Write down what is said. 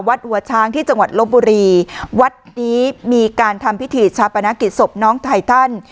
วัดหัวช้างที่จังหวัดลบบุรีวัดนี้มีการทำพิธีชาปนกิจศพน้องไททัน